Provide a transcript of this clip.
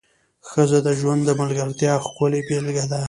ښځه د ژوند د ملګرتیا ښکلې بېلګه ده.